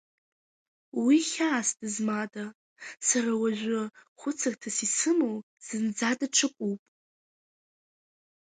Уи хьаас дызмада, сара уажәы хәыцырҭас исымоу зынӡа даҽакуп.